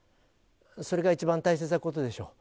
それが一番大切なことでしょう。